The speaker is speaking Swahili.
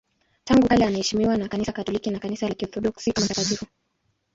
Tangu kale anaheshimiwa na Kanisa Katoliki na Kanisa la Kiorthodoksi kama mtakatifu.